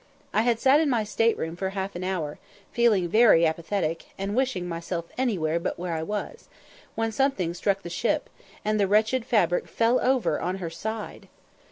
I had sat in my state room for half an hour, feeling very apathetic, and wishing myself anywhere but where I was, when something struck the ship, and the wretched fabric fell over on her side.